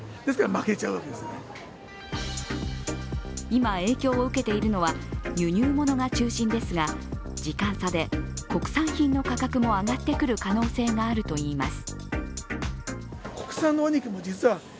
今影響を受けているのは輸入物が中心ですが、時間差で国産品の価格も上がってくる可能性があるといいます。